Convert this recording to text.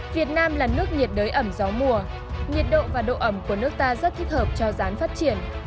việt nam là nước nhiệt đới ẩm gió mùa nhiệt độ và độ ẩm của nước ta rất thích hợp cho rán phát triển